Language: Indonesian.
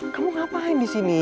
kamu ngapain disini